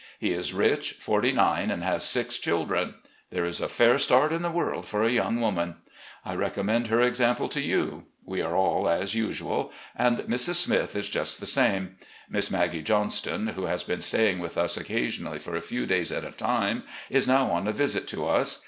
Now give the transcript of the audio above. He is rich, forty nine, and has six children. There is a fair start in the world for a young woman 1 I recommend her example to you. We are FAILING HEALTH 383 all as tisual, and 'Mrs. Smith' is just the same. Miss Maggie Johnston, who has been sta3ring with us occasion ally for a few days at a time, is now on a visit to us.